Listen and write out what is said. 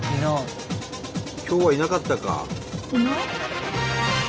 今日はいなかったか。